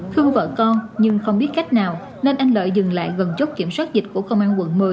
khuyên vợ con nhưng không biết cách nào nên anh lợi dừng lại gần chốt kiểm soát dịch của công an quận một mươi